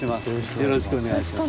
よろしくお願いします。